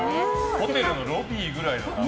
ホテルのロビーくらいの。